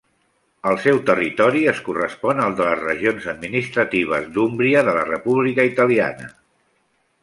El seu territori es correspon al de les regions administratives d'Úmbria de la República Italiana.